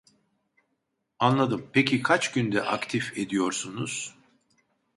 Anladım peki kaç günde aktif ediyorsunuz